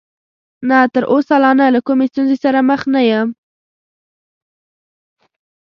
نه، تر اوسه لا نه، له کومې ستونزې سره مخ نه یم.